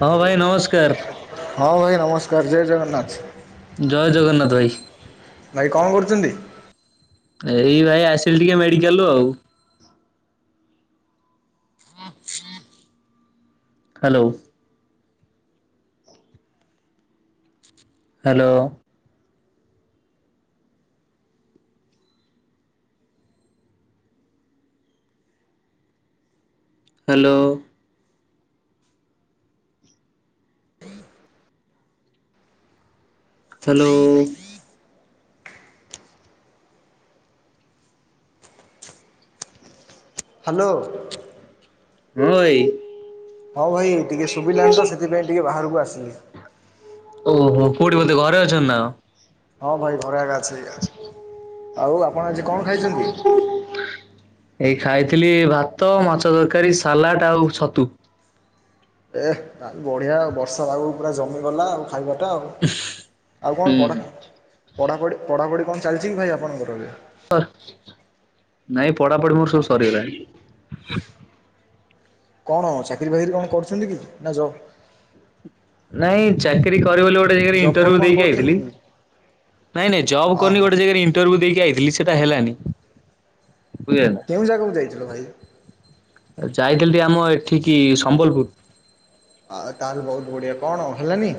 ହଁ, ଭାଇ, ନମସ୍କାର। ହଁ ଭାଇ, ନମସ୍କାର, ଜୟ ଜଗନ୍ନାଥ। ଜୟ ଜଗନ୍ନାଥ ଭାଇ। ଭାଇ କଣ କରୁଛନ୍ତି? ଏଇ ଭାଇ, ଆସିଲି ଟିକେ ମେଡିକାଲରୁ ଆଉ। Hello. Hello. Hello. Hello. Hello. [inaudible] ଭାଇ। ହଁ ଭାଇ, ଟିକେ ଶୁଭିଲାଣି ତ, ସେଥିପାଇଁ ଟିକେ ବାହାରକୁ ଆସିଲି। ଓହୋ, କୋଉଠି? ବଧେ ଘରେ ଅଛ ନା? ହଁ ଭାଇ, ଘରେଆ ଅଛେ, ଆଉ ଆପଣ ଆଜି କଣ ଖାଇଛନ୍ତି? [unintelligible] ଏଇ ଖାଇଥିଲି ଭାତ, ମାଛ ତରକାରୀ, ସାଲାଡ ଆଉ ଛତୁ। ଏ ବଢିଆ ବର୍ଷା ପାଗ ପୁରା ଜମିଗଲା ଆଉ ଖାଇବା ଏଟା ଆଉ ଆଉ ହୁଁ କଣ ପଢା ହୁଁ। ପଢାପଢ଼ି ପଢ଼ାପଢ଼ି କଣ ଚାଲିଛି କି ଭାଇ ଆପଣଙ୍କର ଏବେ? ସରିଛି, ନାଇଁ ପଢାପଢି ମୋର ସବୁ ସରିଗଲାଣି। କଣ ଚାକିରି ବାକିରି କଣ କରୁଛନ୍ତି କି ନା ଜବ? ନାଇଁ ଚାକିରି କରିବ ବୋଲି ଗୋଟେ ଗୋଟେ ଜାଗାରେ ଜବ୍ ଫବ୍ ଇଣ୍ଟଭ୍ୟୁ କଣ ଦେଇକି ଆଇଥିଲି। କରୁଛନ୍ତି କି? ନାହିଁ ନାହିଁ ଜବ୍ ହଁ କରିନି ହଁ ଗୋଟେ ଜାଗାରେ ଇ ଇଣ୍ଟରଭ୍ୟୁ ଦେଇକି ଆଇଥିଲି ସେଟା ହେଲାନି। ବୁଝିଲେ ନା। କେଉଁ ଜାଗାକୁ ଯାଇଥିଲ ଭାଇ? ଯାଇଥିଲି ଟିକେ ଆମ ଏଠିକି ସମ୍ବଲପୁର। ଆଉ ତାହେଲେ ବହୁତ ବଢିଆ‌। କଣ ହେଲାନି?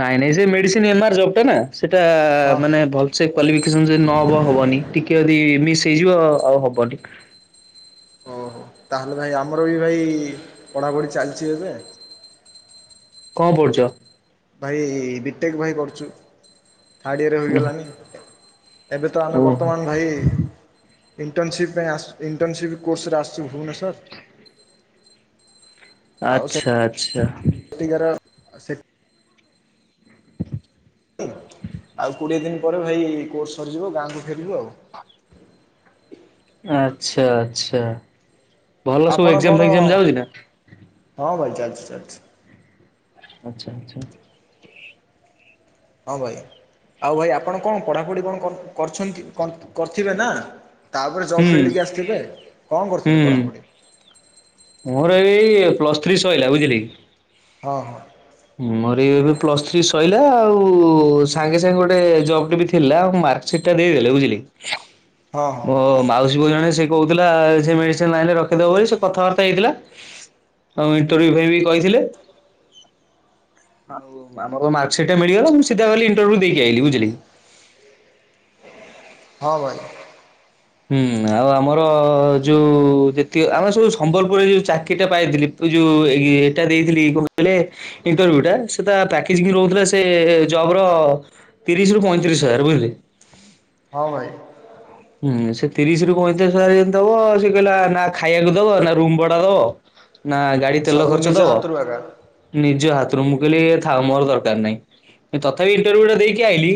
ନାଇଁ, ନାଇଁ ସେ ମେଡିସିନ୍ ଏମ ଆର୍ ଜବ ଟା ନା। ଆ ସେଟା ହଁ। ମାନେ ଭଲ ସେ କ୍ୱାଲିଫିକେସନ ଯଦି ନହବ ହବନି। ଟିକେ ଯଦି ମିସ୍ ହେଇଯିବ ଆଉ ହବନି। ଓହୋ ତାହେଲେ ଭାଇ ଆମର ବି ଭାଇ ପଢ଼ାପଢ଼ି ଚାଲିଛି ଏବେ। କଣ ପଢ଼ୁଛ? ଭାଇ ବିଟେକ୍ ଭାଇ କରୁଛୁ। ଥାର୍ଡ଼ ଇୟର ଓହୋ ହୋଇଗଲାଣି। ଏବେ ତ ଆମେ ଓହୋ। ବର୍ତ୍ତମାନ ଭାଇ ଇଣ୍ଟର୍ନସିପ୍ ପାଇଁ ଆସିଛୁ ଇଣ୍ଟର୍ନସିପ କୋର୍ସ ରେ ଆସିଛୁ ଭୂବନେଶ୍ଵର। ଆଉ ଆଛା ଆଚ୍ଛା। ସେଠିକାର ସେ ଆଉ କୋଡିଏ ଦିନ ପରେ ଭାଇ କୋର୍ସ୍ ସରିଯିବ ଗାଁକୁ ଫେରିବୁ ଆଉ। ଆଛା, ଆଚ୍ଛା। ଭଲ ସବୁ ଆପଣ କଣ ଏକ୍ଜାମ ଫେଜାମ୍ ଯାଉଛି ନା? ହଁ, ଭାଇ ଚାଲିଛି, ଚାଲିଛି। ଆଚ୍ଛା ଆଚ୍ଛା। ହଁ, ଭାଇ ଆଉ ଭାଇ ଆପଣ କଣ ପଢ଼ାପଢ଼ି କଣ କରିଛନ୍ତି କରିଥିବେ ନା? ତାପରେ ଜବ୍ ହୁଁ ଫିଲ୍ଡିକି ଆସିଥିବେ। କଣ କରୁଥିଲେ ହୁଁ ପଢ଼ାପଢ଼ି? ମୋର ଏଇ ପ୍ଲସ୍ ଥ୍ରୀ ସରିଲା ବୁଝିଲେ କି। ହଁ, ହଁ। ମୋର ଏବେ ପ୍ଲସ୍ ଥ୍ରୀ ସରିଲା ଆଉ ସାଙ୍ଗେ ସାଙ୍ଗେ ଗୋଟେ ଜବ ଟି ବି ଥିଲା ଆ ମା ସେଟା ଦେଇଦେଲେ ବୁଝିଲି କି ହଁ ହଁ ମୋ ମାଉସୀ ପୁଅ ଜଣେ ସେ କହୁଥିଲା ସେ ମେଡିସିନ୍ ଲାଇନ ରେ ର ଦବ ବୋଲି ସେ କଥାବାର୍ତ୍ତା ହେଇଥିଲା, ଆଉ ଇଣ୍ଟରଭି୍ୟୁ ବି କହିଥିଲେ। ଆଉ ଆମର ମାର୍କ ସିଟ୍ ବି ମିଳିଗଲା ମୁଁ ସେତେବେଳେ ଇଣ୍ଟରଭ୍ୟୁ ଦେଇକି ଆଇଲି। ବୁଝିଲେ କି? ହଁ ଭାଇ। ହୁଁ ଆଉ ଆମର ଯୋଉ ଯେତି ଆମେ ସବୁ ସମ୍ବଲପୁରରେ ଯୋଉ ଚାକିରି ପାଇଥିଲି ଏ ଯୋଉ ଏ ଏଇଟା ଦେଇଥିଲି କଣ କହିଲେ? ଇଣ୍ଟରଭ୍ୟୁ ଟା ସେଟା ପ୍ୟାକେଜିଂ ରହୁଥିଲା ସେ ଜବ୍ ର ତିରିଶରୁ ପଇଁରିଶ ହଜାର ବୁଝିଲେ, ହଁ ଭାଇ। ହୁଁ ସେ ତିରିଶ ରୁ ପଇଁତିରିଶ ହଜାର ଯଦି ଦବ ସେ କହିଲା ନା ଖାଇବାକୁ ଦବ ନା ରୁମ ଭଡା ଦବ ନା ଗାଡି ତେଲ ସବୁ ଖର୍ଚ୍ଚ ନିଜ ଦବ, ହାତରୁ ଆଗା ନିଜ ହାତରୁ ମୁଁ କହିଲି ଥାଉ ମୋର ଦରକାର ନାହିଁ। ତଥାପି ଇଣ୍ଟରଭୁ ଟା ଦେଇକି ଆଇଲି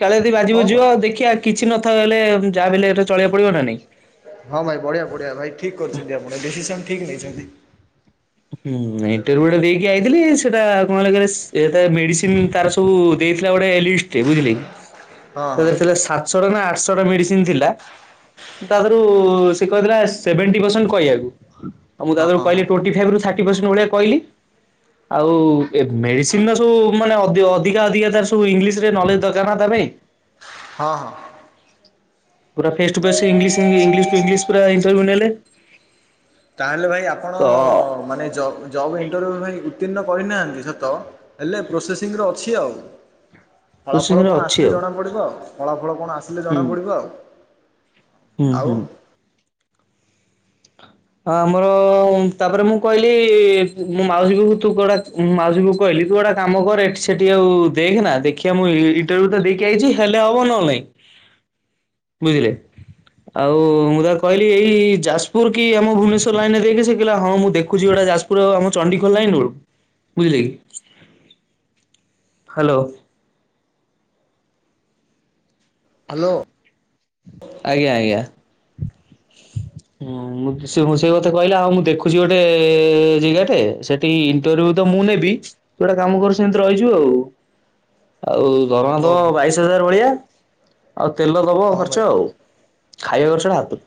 କାଳେ ଯଦି ବାଜି ହଁ ବୁଝି ଭାଇ ଯିବ ଦେଖିଆ କିଛି ନଥାଉ ହେଲେ ଯାହା ହେଲେ ବି ଏ ଚଳେଇକୁ ପଡିବ ନା ନାଇଁ, ହଁ ଭାଇ ବଢିଆ, ବଢିଆ ଭାଇ ଠିକ୍ କରିଛନ୍ତି ଆପଣ। ଡିସିସନ୍ ଠିକ୍ ନେଇଛନ୍ତି। ହୁଁ ଆଉ ହେଲେ ଭାଇ ଇଣ୍ଟରଭ୍ୟୁ ଟା ଦେଇ ଯାଇଥିଲି ସେଟା କଣ ହେଲା କହିଲେ ମେଡ଼ିସିନ୍ ତାର ସବୁ ଦେଇଥିଲା ଗୋଟେ ଲିଷ୍ଟ୍ ଟେ ବୁଝିଲେ କି, ହଁ ହଁ ରେ ଥିଲା ସାତଶରେ ନା ଆଠଶ ଟା ମେଡିସିନ ଥିଲା ତାରୁ ସେ କହିଥିଲା ସେଭେଣ୍ଟି ପର୍ସେଣ୍ଟ କହିବାକୁ ଆ ମୁଁ ତାଥୁରୁ ହଁ ହଁ କହିଲି ଟୋଣ୍ଟି ଠିଆବୁରୁ ଥାର୍ଟି ପରସେଣ୍ଟ ଭଳିଆ କହିଲି। ଆଉ ଏ ମେଡିସିନ ର ସବୁ ମାନେ ଅଧି ଅଧିକା ଅଧିକା ତାର ସବୁ ଇଂଲିଶ ରେ ନଲେଜ ଦରକାର ନା ତା ପାଇଁ। ହଁ ହଁ‌। ପୁରା face to face English English to English ପୁରା ଇଣ୍ଟରଭ୍ୟୁ ନେଲେ। ତାହେଲେ ଭାଇ ଆପଣ ତ ମାନେ ଜ ଜ ଜବ୍ ଇଣ୍ଟରଭ୍ୟୁ ପାଇଁ ଉତ୍ତୀର୍ଣ୍ଣ କରିନାହାନ୍ତି ସତ ହେଲେ ପ୍ରୋସେସିଂର ଅଛି ଆଉ। ଫଳା ଫଳ କୋଚିଂରେ କଣ ଅଛି ଆସିଲେ ଆଉ ଜଣା ପଡିବ ଆଉ ଫଳାଫଳ କଣ ଆସିଲେ ହୁଁ ଜଣା ପଡିବ ଆଉ। ହୁଁ ଆଉ ହୁଁ। ହଁ ଆମର ତାପରେ ମୁଁ କହିଲି ମୋ ମାଉସୀ କୁ ତୁ କୁଆଡେ ଆସ ମାଉସୀ କୁ କହିଲି ତୁ ଗୁଟେ କାମ କର ଏଠି ସେଠି ଆଉ ଦେଖ ନା ଦେଖିବା ମୁଁ ଇଣ୍ଟରଭ୍ୟୁ ଟା ଦେଇକି ଆଇଛି ହେଲେ ହବ ନହେଲେ ନାଇଁ। ବୁଝିଲେ ଆଉ ମୁଁ ତାକୁ କହିଲି ଏଇ ଯାଜପୁର କି ଆମ ଭୁବନେଶ୍ୱର ଲାଇନ ରେ ଦେଖ ସେ କହିଲା ହଁ ମୁଁ ଦେଖୁଛି ଗୋଟା ଯାଯପୁର ଆମ ଚଣ୍ଡିଖୋଲ ଲାଇନ ରୁ ବୁଝିଲେ କି। ହାଲୋ। ହ୍ୟାଲୋ ଆଜ୍ଞା ଆଜ୍ଞା। ହୁଁ। ମୁଁ ତୁ ସେ ମୁଁ ସେଇ କଥା କହିଲା ହଉ ମୁଁ ଦେଖୁଛି ଗୋଟେ ଜାଗାଟେ ସେଠି ଇଣ୍ଟରଭ୍ୟୁ ତ ମୁଁ ନେବି ତୁ ଗୋଟେ କାମ କର ସେମିତି ରହିଯିବୁ ଆଉ। ଆଉ ଦରମା ଓ ଦବ ଭାଇ ବାଇଶି ହଜାର ଭଳିଆ ଆଉ ତେଲ ଦବ ହଁ ଖର୍ଚ୍ଚ ଭାଇ ଆଉ। ଖାଇବା ଖର୍ଚ୍ଚ ଟା ହାତୁରୁ।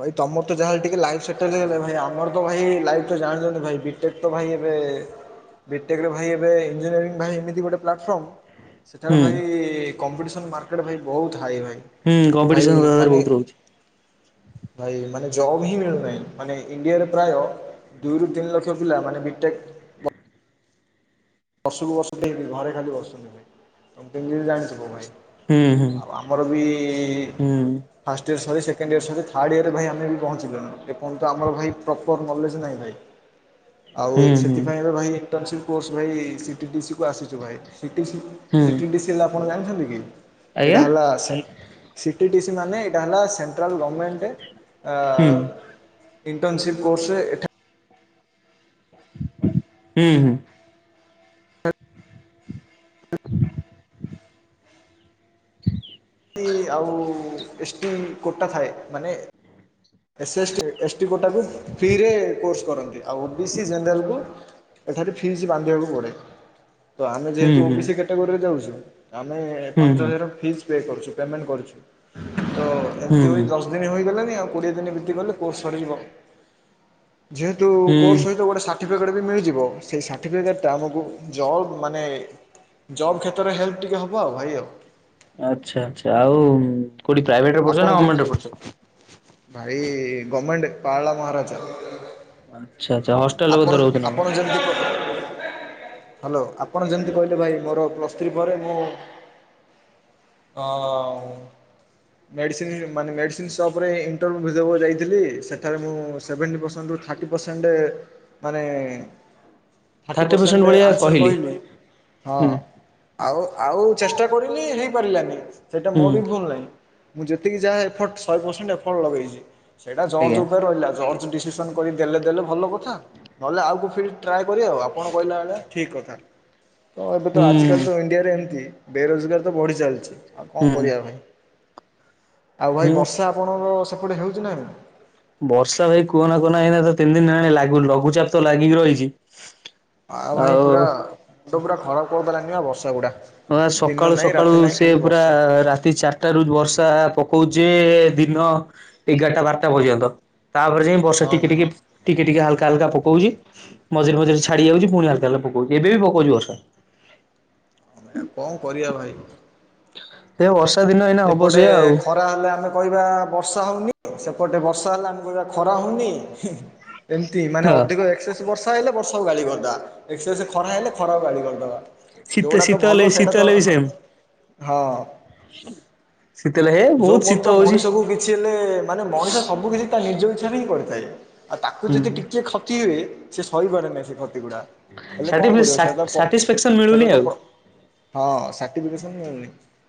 ଭାଇ ତମର ତ ଯାହାେଲେ ଟିକେ ଲାଇଫ୍ ସେଟେଲ ହେଇଗଲା ଭାଇ ଆମର ତ ଭାଇ ଲାଇଫ ତ ଜାଣିଛନ୍ତି ଭାଇ ବି ବିଟେକ୍ ତ ଭାଇ ଏବେ ବିଟେକରେ ଭାଇ ଏବେ ଇଞ୍ଜିନିୟରିଙ୍ଗୀ ଭାଇ ଏମିତି ଗୋଟେ ପ୍ଲାଟଫର୍ମ ସେଠାରେ ହୁଁ ଭାଇ କମ୍ପିଟିସନ୍ ମାର୍କେଟ୍ ଭାଇ ବୋହୁତ ହାଇ ଭାଇ। ହୁଁ ଭାଇ କମ୍ପିଟିସନ ତାଦେହରେ ମାନେ ବୋହୁତ ରହୁଚି। ଭାଇ ମାନେ ଜବ ହିଁ ମିଳୁନାହିଁ ମାନେ ଇଣ୍ଡିଆରେ ପ୍ରାୟ ଦୁଇରୁ ତିନି ଲକ୍ଷ ପିଲା ମାନେ ବିଟେକ୍ ବର୍ଷକୁ ବର୍ଷ ହେଇକି ଘରେ ଖାଲି ବସୁଥିବ ଭାଇ ତମେ ତନିଜେ ଜାଣିଥିବ ଭାଇ। ହୁଁ ହୁଁ। ଆମର ବି ହୁଁ ଫାର୍ଷ୍ଟ ଇୟର୍ ସରି ସେକେଣ୍ଡ ଇୟର୍ ସରି ଥାଡ୍ଇୟରରେ ଭାଇ ବି ପହଞ୍ଚିଲୁଣି ଏପଯନ୍ତ ଆମର ଭାଇ ପ୍ରପର ନଲେଜ୍ ନାହିଁ ଭାଇ। ହ ଆଉ ସେଥିପାଇଁ ଏବେ ଭାଇ ଇଣ୍ଟର୍ନସିପ୍ କୋର୍ସ ଭାଇ ସି ଟିପିସିକୁ ଆସିଛୁ ଭାଇ। ସିଟିସି ହୁଁ ସିଟିଡିସି ଆପଣ ଜାଣିଛନ୍ତି କି ଆଜ୍ଞା ଏଇଟା ହେଲା ସେଆସାଇନ ସିଟିଡିସି ମାନେ ଏଇଟା ହେଲା ସେଣ୍ଟ୍ରାଲ୍ ଗଭର୍ଣ୍ଣମେଣ୍ଟ ଆ ହୁଁ। ଇଣ୍ର୍ନସିପ କୋର୍ସରେ ଏଠ ହୁଁ ହୁଁ। ହ ଆଉ ଏସଟି କୋଟା ଥାଏ ମାନେ S S T S T କୋଟାକୁ ଫ୍ରିରେ କୋର୍ସ କରନ୍ତି। ଆଉ ଓ ବି ସି ଜେନେରାଲ୍ କୁ ଏଠାରେ ଫିସ୍ ବାନ୍ଧିବାକୁ ପଡ଼େ। ତ ଆମେ ହୁଁ ଯେହେତୁ ହୁଁ ଓବିସି କ୍ୟାଟାଗୋରିରେ ଯାଉଛୁ ଆମେ ହୁଁ ପାଞ୍ଚ ହୁଁ ହଜାର ଫିସ୍ ପେ କରୁଛୁ। ପେମେଣ୍ଟ କରିଚୁ ତ ହୁଁ ଏମିତି ହୋଇ ହୁଁ। ଦ ଦ ଦିନ ହେଇଗଲେଣି ଆଉ କୋଡିଏ ଦିନ ବିତିଗଲେ କୋର୍ସ ସରିଯିବ। ଯେହେତୁ କୋର୍ସ ହୁଁ ସହିତ ଗୋଟେ ସାଟ ସାର୍ଟିଫିକେଟ୍ ବି ମିଳିଯିବ ସେହି ସାର୍ଟିଫିକେଟଟା ଆମକୁ ଜବ୍ ମାନେ। ଜବ୍ କ୍ଷେତ୍ରରେ ହେଲ୍ପ ଟିକେ ହବ ଆଉ ଭାଇ ଆଉ। ଆଚ୍ଛା ଆଚ୍ଛା ଆଉ କୋଉଠି ପ୍ରଭେଟରେ ପଢୁଛ ଆପଣ ନା ଯେ ଗର୍ମେଣ୍ଟ ରେ ପଢୁଛ। ଭାଇ ଗମେଣ୍ଟ ପାରାଳା ମହାରାଜା। ଆଚ୍ଛା ଆଚ୍ଛା ହଷ୍ଟେଲରେ ବୋଧେ ଆପଣ ରହୁଛ ନା କଣ? ଆପଣ ଯେମିତି। ହାଲୋ ଆପଣ ଯେମିତି କହିଲେ ଭାଇ ମୋର ପ୍ଲସ୍ ଥ୍ରୀ ପରେ ମୁଁ। ଅଁ ଉଁ ମେଡ଼ିସିନ ମାନେ ମେଡ଼ିସିନ ସପ ରେ ଏ ଇଣ୍ଟରଭିୟ୍ୟୁ ଭି ଦବାକୁ ଯାଇଥିଲି ସେଠାରେ ମୁଁ ସେଭେଣ୍ଟି ପରସେଣ୍ଟ ରୁ ଥାର୍ଟି ପରସେଣ୍ଟ। ମାନେ ଥାର୍ଟି ପରସେଣ୍ଟ ଆନ୍ସର କହିଲି ହଁ। ହୁଁ ଆଉ ଆଉ ଚେଷ୍ଟା କରଲି ହେଇ ପାରିଲାନି ସେଇଟା ମୋର ହୁଁ। ବି ଭୁଲ୍ ନାହିଁ। ମୁଁ ଯେତିକି ଯାହା ଏଫଟ୍ ଶହେ ପରସେଣ୍ଟ ଏଫର୍ଟ ଲଗେଇଛି ସେଇଟା ଆଜ୍ଞା। ଜର୍ଜ ଉପରେ ରହିଲା ଜଜ ଡିସିସ୍ ସନ‌ କରି ଦେଲେ ଦେଲେ ଭଲ କଥା ନହେଲେ ଆଉ କୋଉ ଫିଲ୍ଡ ଟ୍ରାଏ କରିଆ ଆଉ ଆପଣ କହିଲା ଭଳିଆ। ଠିକ୍ କଥା ତ ଏବେ ତ ଆଜିକାଲି ହୁଁ ତ ଇଣ୍ଡିଆରେ ଏମିତି ବେରୋଜଗାର ତ ବଢ଼ି ଚାଲିଛି। ଆଉ କଣ ହୁଁ କରିବା ଭାଇ। ଆଉ ଭାଇ ମୁଁ ବର୍ଷା ଆପଣଙ୍କ‌ ସେପଟେ ହେଉଛି ନା ନାହିଁ। ବର୍ଷା ଭାଇ କୁହନା କୁହନା ଏଇନା ତ ତିନି ଦିନ ହେଲାଣି ଲାଗୁ ଲଘୁଚାପ ତ ଲାଗିକି ରହିଛି। ଆଉ ଭାଇ ପୁରା ମୁଣ୍ଡ ପୁରା ଖରାପ କରିଦେଲାଣିି ଯେ ବର୍ଷା ଗୁଡା। ହଁ ସକାଳୁ ସକାଳୁ ସେ ପୁରା ରାତି ଚାରି। ଟା ରୁ ବର୍ଷା ପକଉଛି ଯେ ଦିନ ଏଗାରଟା ବାରଟା ପର୍ଯ୍ୟନ୍ତ ତାପରେ ଯାଇ। ବର୍ଷା ହଁ ଟିକେ ଭାଇ ଟିକେ। ଟିକେ ଟିକେ ହାଲକା ହାଲକା ପକଉଚି ମଝିରେ ମଝିରେ ଛାଡି ଯାଉଛି ପୁଣି ହାଲକା ହାଲକା ପକଉଛି ଏବେ ବି ପକଉଛି ବର୍ଷା। ହଁ ଏଇଟ କଁ କରିବା ଭାଇ। ଏ ବର୍ଷା ଦିନ ଏଇନା। ହବ ଏପଟେ ସେଇଆ ଆଉ ଖ ଖରା ହେଲେ ଆମେ କହିବା ବର୍ଷା ହଉନି ସେପଟେ ବର୍ଷା ହେଲେ ଆମେ କହିବା ଖରା ହଉନି। ଏମିତି ମାନେ ହଁ ଅଧିକ ଏକ୍ସେସ୍ ବର୍ଷା ହେଲେ ବର୍ଷାକୁ ଗାଳି କରିଦେବା ଏକ୍ସେସ୍ ଖରା ହେଲେ ଖରାକୁ ଗାଳି କରିଦେବା ଶୀତ ଯୋଉଗୁଡା ତ ଶୀତ ହେଲେ ଭଲ ଶୀତ ସେଇଟା ତ ହେଲେ ବି ସେମ୍ ହଁ। ଶୀତ ହେଲେ ହେ ଯୋଉ ବହୁତ ପର୍ଯ୍ୟନ୍ତ ଶୀତ ହଉଛି। ମଣିଷକୁ କିଛି ହେଲେ ମାନେ ମଣିଷ ସବୁ କିଛି ତା ନିଜ ଇଚ୍ଛାରେ ହିଁ କରିଥାଏ। ଆଉ ତାକୁ ହୁଁ ଯଦି ଟିକେ କ୍ଷତି ହୁଏ ସେ ସହିପାରେ ନାହି ସେ କ୍ଷତି ଗୁଡା। ହେଲେ କଣ ସାଟିଫି କରିବ ସେଟା ତ ସାଟି ପ ସାଟିସ୍ଫାକ୍ସନ ସେଟା ମିଳୁନି ତ ଆଉ। ପ ହଁ ସାର୍ଟିଫିକେସନ୍ ମିଳୁନି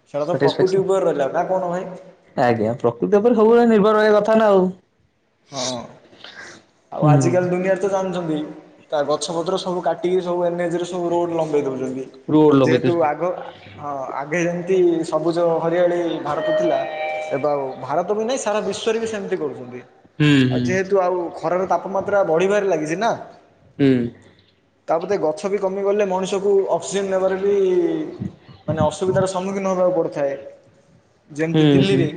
ସେଇଟା ତ ପ୍ରକୃତି ଉପରେ ସାଟିସ୍ଫାକ୍ସନ ରହିଲା ନା କହୁନ ଭାଇ। ଆଜ୍ଞା ପ୍ରକୃତି ଉପରେ ସବୁ ବେଳେ ନିର୍ଭର ରହିବା କଥା ନା ଆଉ। ହଁ ଆଉ ଆଜିକାଲି ହୁଁ। ଦୁନିଆରେ ତ ଜାଣିଛନ୍ତି। ତା ଗଛ ପତ୍ର ସବୁ କାଟିକି ସବୁ ଏନ୍ଏଚରେ ସବୁ ରୋଡ ଲମ୍ବେଇ ଦଉଛନ୍ତି ରୋଡ ଯେହେତୁ ଲଗେଇଦେଇଛନ୍ତି। ଆଗ। ହଁ ଆଗେ ଯେମିତି ସବୁଜ ହରିଆଳି ଭାରତ ଥିଲା। ଏବେ ଆଉ ଭାରତ ବି ନାହିଁ ସାରା ବିଶ୍ୱରେ ବି ସେମିତି କରୁ ହୁଁ ଆଉ ଯେହେତୁ ଆଉ ଖରାର ତାପମାତ୍ରା ବଢିବାରେ ଲାଗିଛି ନା। ହୁଁ। ତା ପତେ ଏ ଗଛ ବି କମି ଗଲେ ମଣିଷକୁ ଅକ୍ସିଜେନ ନବାରେ। ବି ମାନେ ଅସୁବିଧାର ସମ୍ମୁଖୀନ ହବାକୁ ପଡୁଥାଏ। ଯେମିତି ହୁଁ ହୁଁ ଦିଲ୍ଲୀରେ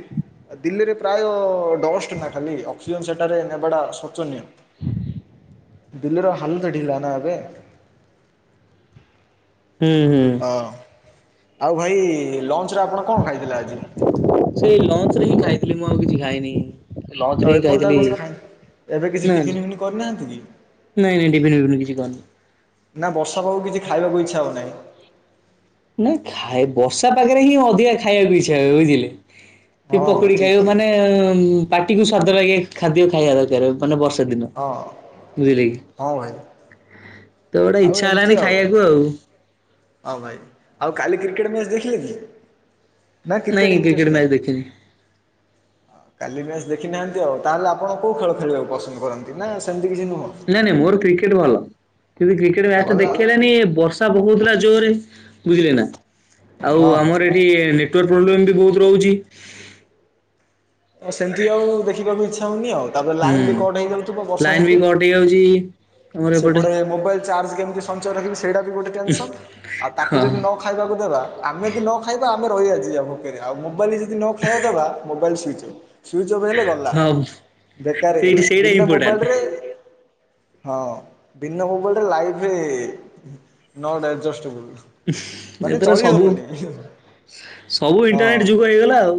ଆଉ ଦିଲ୍ଲୀରେ ପ୍ରାୟ ଡଷ୍ଟ ନା ଖାଲି। ଅକ୍ସିଜେନ ସେଠାରେ ନେବାଟା ଶୋଚନୀୟ। ଦିଲ୍ଲୀ ର ହାଲୁତ ଢିିଲା ନା ଏବେ। ହୁଁ ହୁଁ ହଁ ଆଉ ଭାଇ ଲଞ୍ଚରେ ଆପଣ କଣ ଖାଇଥିଲେ ଆଜି? ସେଇ ଲଞ୍ଚରେହିଁ ଖାଇଥିଲି ମୁଁ ଆଉ କିଛି ଖାଇନି। ଲଞ୍ଚ ରେ ଆଉ ହିଁ ଏପର୍ଯ୍ୟନ୍ତ ଖାଇଥିଲି ଆଉ କିଛି ଖାଇ ଏବେ କିଛି ନା ଟିଫିନ ଫିପିନ କରିନାହାନ୍ତିକି? ନାଇଁ ନାଇଁ ଟିଫିନ ଫିପନ କିଛି କରିନି। ନା ବର୍ଷା ପାଗକୁ କିଛି ଖାଇବାକୁ ଇଚ୍ଛା ହଉନାହିଁ। ନାଇଁ ଖାଏ ବର୍ଷା ପାଗରେହିଁ ଅଧିକା ଖାଇବାକୁ ଇଚ୍ଛା ହୁଏ ବୁଝିଲେ। କି ହଁ ହଁ ପକୁଡି ଠିକ୍ ଖାଇବାକୁ କହିଲେ। ମାନେ ପାଟିକୁ ସ୍ଵାଦ ଲାଗେ ଖାଦ୍ୟ ଖାଇବା ଦରକାର। ନହନେ ବର୍ଷା ଦିନ ହଁ ବୁଝିଲେକି। ହଁ ଭାଇ ତ ଗୋଟେ ଆଉ ଇଚ୍ଛା ଏମିତି ହେଲାନି ଖାଇବାକୁ ଆଉ ହଁ ଭାଇ ଆଉ କାଲି କ୍ରିକେଟ ମ୍ୟାଚ ଦେଖିଲେକି। ନାଇଁ କ୍ରିକେଟ ମ୍ୟାଚ ଦେଖିନି। କାଲି ମ୍ୟାଚ ଦେଖିନାହାନ୍ତି ଆଉ ତାହେଲେ ଆପଣ କୋଉ ଖେଳ ଖେଳିବାକୁ ପସନ୍ଦ କରନ୍ତି ନା ସେମିତି କିଛି ନୁହଁ। ନାଇଁ ନାଇଁ ମୋର କ୍ରିକେଟ ଭଲ କିନ୍ତୁ କ୍ରିକେଟ ଆଉ ମ୍ୟାଚଟା ଗଲା ଦେଖିହେଲାନି ବର୍ଷ ସା ପକୋଉଥିଲା ଜୋରେ ବୁଝିଲେନା ଆଉ ହଁ ଆମର ହଁ। ଏ ଇଏ ନେଟୱାର୍କ ପ୍ରୋବ୍ଲେବି ବହୁତ ରହୁଚି। ଆଉ ସେମିତି ଆଉ ଦେଖିବାକୁ ଇଚ୍ଛା ହଉନି ଆଉ ତାପରେ ଲାଇନବି କଟ ହେଇଯାଉଥିବ ବର୍ଷା ହେତୁ। ଇଏ ହଉଚି। ସେପଟେ ମୋବାଇଲ ଚାର୍ଜ କେମିତି ସଞ୍ଚୟ ରଖିବି ସେଇଟାବି ଗୋଟେ ଟେନସନ ଆଉ ତାକୁ ହଁ ଯଦି ନ ଖାଇବାକୁ ଦେବା ଆମେ ଯଦି ନଖାଇବା ଆମେ ରହିବା ଯିବା ଗୋଟେ ଦିନ ଆଉ ମୋବାଇଲ ଜଦି ନଖାଇବାକୁ ଦବା ମୋବାଇଲ ସୁଇଚି ସୁଇଚଅଫ ହେଲେ ଗଲା ହଁ ବେକାର ସେଇଠି ହେଇଗଲା ସେଇଟା ବିନା ଇମ୍ପୋର୍ଟାଣ୍ଟ ମୋବାଇଲ ରେ ହଁ ବିନା ମୋବଟରେ ଲାଇଫ ନଟ ଆଜଷ୍ଟବୁଲ। ଏଥର ସବୁ ସବୁ ହଁ ଇଣ୍ଟରନେଟ ଯୁଗ ହେଇଗଲା ଆଉ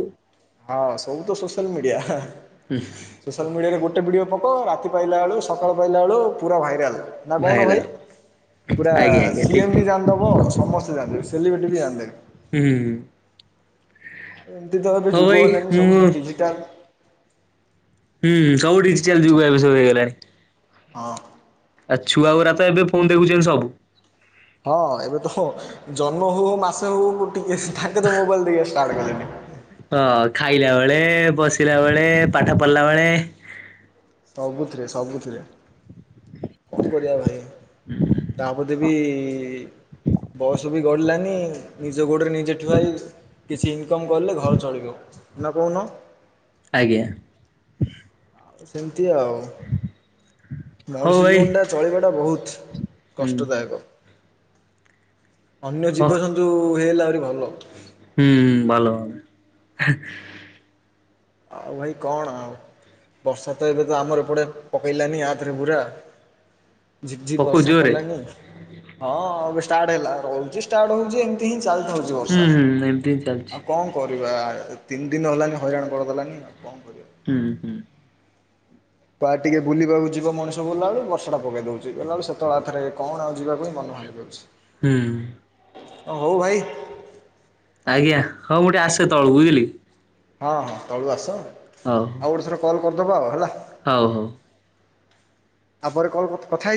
ହଁ ସବୁତ ସୋସିଆଲ ମିଡିଆ ହାଁ। [unintelligible] ସୋସିଆଲ ମିଡିଆରେ ଗୋଟେ ଭିଡିଓ ପକୁଅ ରାତି ପାହିଲା ବେଳୁ ସକାଳ ପାହିଲା ବେଳୁ ପୁରା ଭାଇରାଲ। ନା କହୁନ ଭାଇରାଲ ଭାଇ ପୁରା ଆଜ୍ଞା ଆଜ୍ଞା ଠିକ ସିଏମବି ଠିକ ଜାଣିଦବ ସମସ୍ତେ ଜାଣିଦେବେ ସେଲିବ୍ରେଟିବି ଜାଣିଦେବେ। ଉୁଁ ହୁଁ ଏମିତିତ ଏବେ ହଉ ଭାଇ ଯୁଗ ହେଲାନି ମୁଁ ସବୁତ ଡିଜିଟାଲ। ହୁଁ ସବୁ ଡିଜିଟାଲ ଯୁଗ ଏବେସବୁ ହେଇଗଲାଣି। ହଁ। ଏ ଛୁଆଉରାତ ଏବେ ଫୋନ ଦେଖୁଛନ୍ତି ସବୁ। ହଁ ଏବେତ ଫୋନ ଜନ୍ମ ହଉ ହଉ ମାସେ ହଉ ହଉ ମୁଁ ଟିକେ ତାଙ୍କେତ ମୋବାଇଲ ଦେଖିବା ଷ୍ଟାଟ କଲେଣିି। ହଁ ଖାଇଲା ବେଳେ ବସିଲା ବେଳେ ପାଠ ପଢିଲା ବେଳେ ସବୁଥିରେ ସବୁଥିରେ କଣ କରିବା ଭାଇ। ତାପରେବି ବୟସବି ଗଡିଲାନି ନିଜ ଗୋଡରେ ନିଜେ ଠୁଆହେଇଚି। କିଛି ଇନକମ କଲେ ଘର ଚଳିବ ନା କହୁନ। ଆଜ୍ଞା। ଏମିତି ଆଉ [unintelligible] ହଉ ମଣିଷ ଭାଇ ଜୀବନଟା ଚଳିବାଟା ବହୁତ ହୁଁ ହୁଁ। କଷ୍ଟଦାୟକ। ଅନ୍ୟ ହ ଜୀବଜନ୍ତୁ ହେଇଗଲେ ଆହୁରି ଭଲ। ହୁଁ ହୁଁ ଭଲ ହେଁ। ଆଉ ଭାଇ କଣ ଆଉ? ବର୍ଷା ତ ଏବେ ତ ଆମର ଏପଟେ ପକେଇଲାନି ଆାତରେ ପୁରା ଝିପ୍ ଝିିପ୍ ପକଉ ବର୍ଷା ଜୋରେ ପଲାନି ହଁ ଏବେ ଷ୍ଟାର୍ଟ ହେଲା ରହୁଚି ଷ୍ଟାର୍ଟ ହଉଚି ଏମିତି ହିଁ ଚାଲ୍ ଥାଉଚି ହୁଁ ବର୍ଷା ହୁଁ ଏମିତି ହିଁ ଚାଲିଛି। ଆଉ କଁ କରିବା ତିନି ଦିନ ହେଲାନି ହଇରାଣ କରିଦଲାନି ଆଉ କଣ କରିବା ହୁଁ ହୁଁ [inaudible] କୁଆଡେ ଟିକେ ବୁଲିବାକୁ ଯିବ ମଣିଷ ଗଲା ବେଳକୁ ବର୍ଷାଟା ପକେଇ ଦଉ ଚି ଗଲା ବେଳେ ସେତବେଳେ ଥରେ କଣ ଆଉ ଯିବାକୁ ହିଁ ମନ ଭାଙ୍ଗି ହୁଁ ଯାଉଛି ହଉ ଭାଇ। ଆଜ୍ଞା ହଁ ମୁଁ ଟିକେ ଆସେ ତଳୁ ବୁଝିଲି ହଁ ହଁ ତଳୁ ଆସ ହଉ। ଆଉ ଗୋଟେ ଥର କଲ୍ କର ଦବା ଆଉ ହେଲା ହଉ ହଉ। ଆବରେ କଣ କ କଥଥା [inaudible]